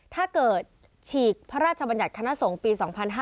ถ้าเกิดฉีกพระราชบัญญัติคณะสงฆ์ปี๒๕๐๕